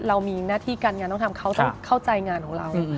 เรามีหน้าที่การงานต้องทำเขาต้องเข้าใจงานของเรา